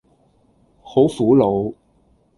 好苦惱